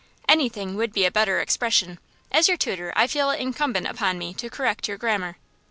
"Anything would be a better expression. As your tutor I feel it incumbent upon me to correct your grammar."